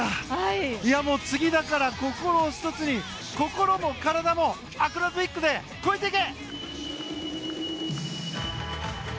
次、心を１つに心も体もアクロバティックで超えていけ！